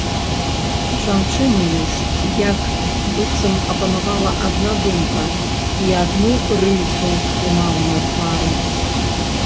Жанчынаю ж як быццам апанавала адна думка і адну рысу трымала на твары.